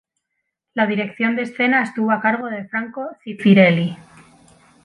La dirección de escena estuvo a cargo de Franco Zeffirelli.